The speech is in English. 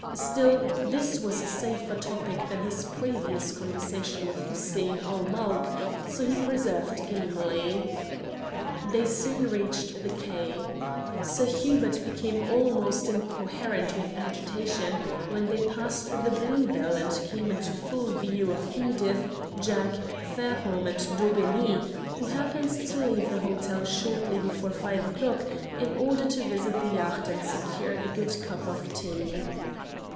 Still, this was a safer topic than his previous conversation with Hussein ul Mulk, so he persevered gamely. They soon reached the quay. Sir Hubert became almost incoherent with agitation when they passed the Blue Bell and came into full view of Edith, Jack, Fairholme and Daubeney, who happened to leave the hotel shortly before five o'clock in order to visit the yacht and secure a good cup of tea.